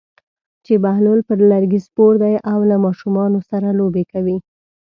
چې بهلول پر لرګي سپور دی او له ماشومانو سره لوبې کوي.